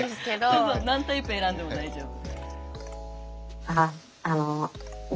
そうそう何タイプ選んでも大丈夫。